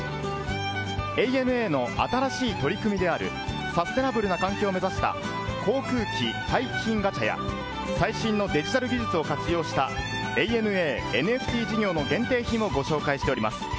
ＡＮＡの新しい取り組みであるサステナブルな環境を目指した航空機廃棄品ガチャや最新のデジタル技術を活用した「ＡＮＡＮＦＴ事業」の限定品をご紹介しております。